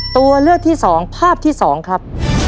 ตัวเลือกที่สองภาพที่สองครับ